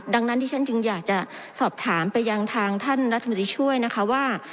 ดังนั้นที่ฉันจึงอยากจะสอบถามไปยังทางท่านรัฐมนตรีช่วยนะคะว่า